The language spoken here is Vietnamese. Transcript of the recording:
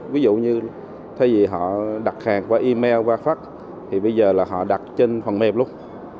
ví dụ như thay vì họ đặt hàng qua email và phát thì bây giờ là họ đặt trên phần mềm lúc